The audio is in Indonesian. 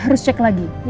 harus cek lagi ya